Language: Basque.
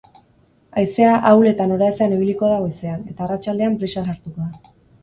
Haizea ahul eta noraezean ibiliko da goizean, eta arratsaldean brisa sartuko da.